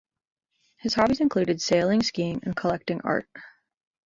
His hobbies include sailing, skiing and collecting art.